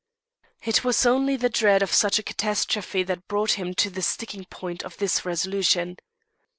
It was only the dread of such a catastrophe that brought him to the "sticking point" of his resolution.